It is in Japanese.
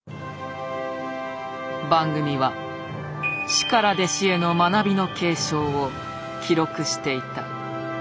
番組は師から弟子への学びの継承を記録していた。